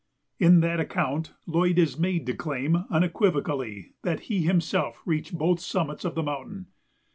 In that account Lloyd is made to claim unequivocally that he himself reached both summits of the mountain.